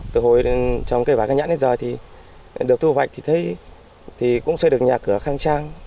từ hồi trồng cây vải cây nhãn đến giờ thì được thu hoạch thì thấy cũng xây được nhà cửa khang trang